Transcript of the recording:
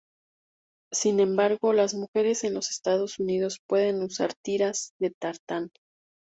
Sin embargo, las mujeres en los Estados Unidos pueden usar tiras de tartán.